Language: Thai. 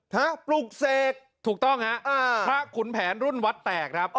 ฮะปลุกเสกถูกต้องฮะอ่าพระขุนแผนรุ่นวัดแตกครับ